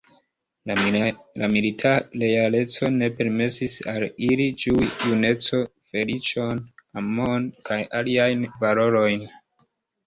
La milita realeco ne permesis al ili ĝui junecon, feliĉon, amon kaj aliajn valorojn.